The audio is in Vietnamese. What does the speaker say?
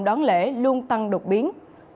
đón lễ luôn tăng đột biến